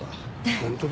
本当だ。